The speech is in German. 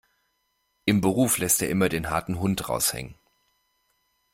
Im Beruf lässt er immer den harten Hund raushängen.